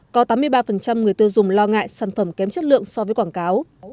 có tám mươi ba người tiêu dùng lo ngại sản phẩm kém chất lượng so với quảng cáo